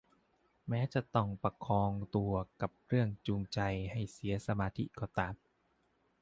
แม้จะต้องประคองตัวกับเรื่องจูงใจให้เสียสมาธิก็ตาม